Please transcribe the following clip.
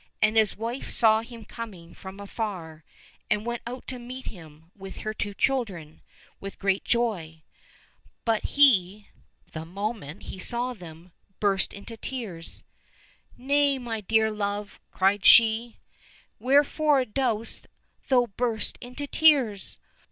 And his wife saw him coming from afar, and went out to meet him, with her two children, with great joy. But he, the moment he saw them, 1 A little Tsar. S8 LITTLE TSAR NOVISHNY burst into tears. " Nay, my dear love," cried she, '' wherefore dost thou burst into tears